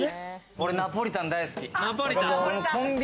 俺、ナポリタン大好き。